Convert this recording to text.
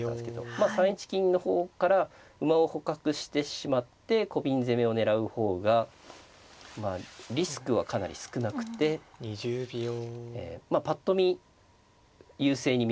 まあ３一金の方から馬を捕獲してしまってコビン攻めを狙う方がまあリスクはかなり少なくてぱっと見優勢に見えますもんね。